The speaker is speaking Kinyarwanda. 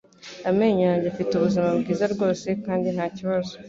Amenyo yanjye afite ubuzima bwiza rwose kandi nta bibazo.